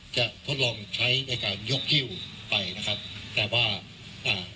ทดลองใช้ในการยกหิ้วไปนะครับแต่ว่าอ่า